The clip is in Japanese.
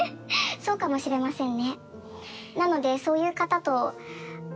そうかもしれませんね。